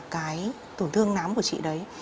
cái tổn thương nám của chị đấy